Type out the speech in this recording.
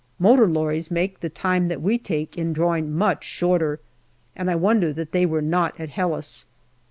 Motor lorries make the time that we take in drawing much shorter, and I wonder that they were not at Helles.